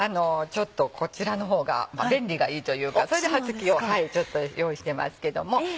こちらの方が便利がいいというかそれで葉付きを用意してますけども。